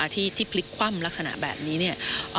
ที่พลิกคว่ำลักษณะแบบนี้